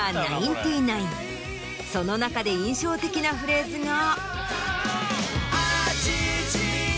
その中で印象的なフレーズが。